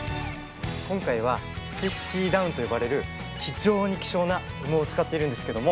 今回はスティッキーダウンと呼ばれる非常に希少な羽毛を使っているんですけども。